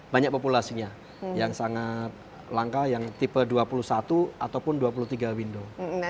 banyak populasinya yang sangat langka yang tipe dua puluh satu ataupun dua puluh tiga window